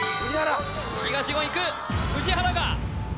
東言いく宇治原が！